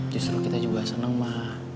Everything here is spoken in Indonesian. justru kita juga senang mah